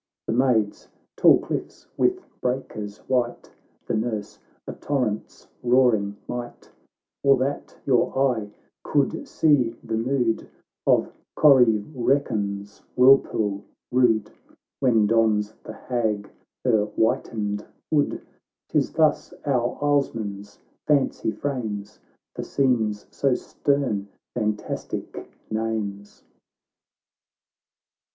(The Maids— tall cliffs with breakers white, The Nurse — a torrent's roaring might,) Or that your eye could see the mood Of Corrievreken's whirlpool rude, When dons the Hag her whitened hood — 'Tis thus our islesmen's fancy frames, For scenes so stern, fantastic names."